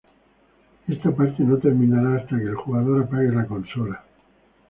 Esta parte no terminará hasta que el jugador apague la consola.